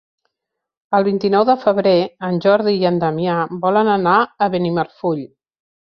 El vint-i-nou de febrer en Jordi i en Damià volen anar a Benimarfull.